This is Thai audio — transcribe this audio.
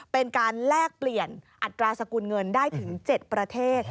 เป็นการแลกเปลี่ยนอัตราสกุลเงินได้ถึง๗ประเทศ